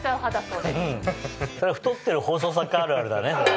それは太ってる放送作家あるあるだね。